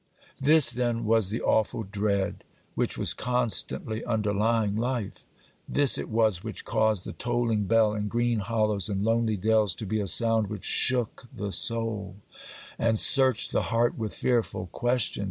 This, then, was the awful dread which was constantly underlying life. This it was which caused the tolling bell in green hollows and lonely dells to be a sound which shook the soul and searched the heart with fearful questions.